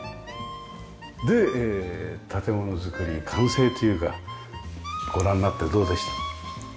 建物造り完成というかご覧になってどうでした？